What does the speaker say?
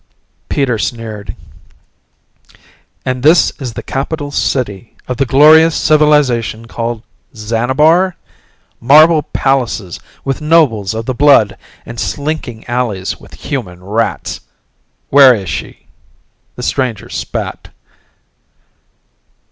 Peter sneered. "And this is the capital city of the glorious civilization called Xanabar? Marble palaces with nobles of the blood, and stinking alleys with human rats. Where is she?" The stranger spat.